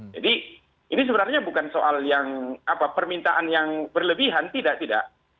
jadi ini sebenarnya bukan soal yang apa permintaan yang berlebihan tidak tidak